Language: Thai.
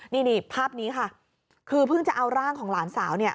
นี่ภาพนี้ค่ะคือเพิ่งจะเอาร่างของหลานสาวเนี่ย